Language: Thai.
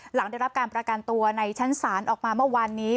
หลังได้รับการประกันตัวในชั้นศาลออกมาเมื่อวานนี้